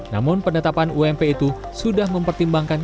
namun penetapan ump itu sudah mempertimbangkan